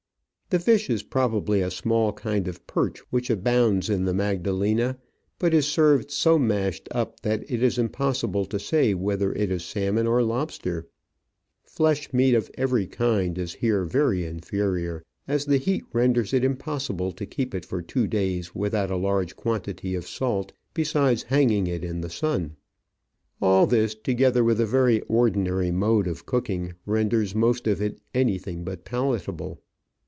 The fish is probably a small kind of perch which abounds in the Magdalena, but is served so mashed up that it is impossible to say whether it is salmon or lobster. Flesh meat of every kind is here very inferior, as the heat renders it impossible to keep it for two days without a large quantity of salt, besides E* Digitized by VjOOQIC 54 Travels and Adventures hanging it in the sun. All this, together with a very ordinary mode of cooking, renders most of it anything but palatable.